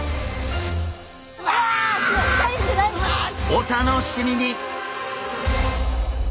お楽しみに！